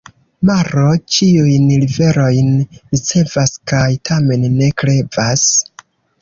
Maro ĉiujn riverojn ricevas kaj tamen ne krevas.